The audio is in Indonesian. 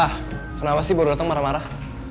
pak kenapa sih baru dateng marah marah